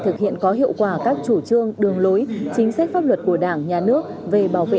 thực hiện có hiệu quả các chủ trương đường lối chính sách pháp luật của đảng nhà nước về bảo vệ